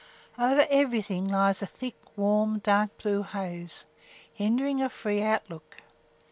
Over everything lies a thick, warm, dark blue haze, hindering a free outlook.